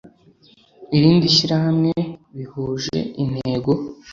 irindi shyirahamwe bihuje intego